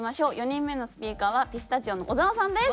４人目のスピーカーはピスタチオの小澤さんです。